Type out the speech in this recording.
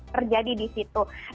terjadi di situ